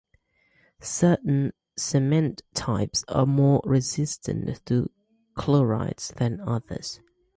Certain cement types are more resistant to chlorides than others.